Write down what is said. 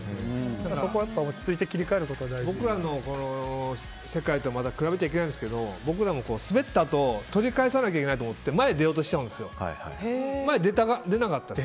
だから落ち着いて僕らの世界と比べちゃいけないんですけど僕らもスベったあと取り返さなきゃいけないと思って、前に出ようとするんです。